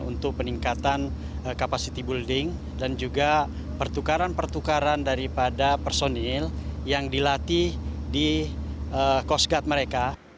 untuk peningkatan kapasiti building dan juga pertukaran pertukaran daripada personil yang dilatih di coast guard mereka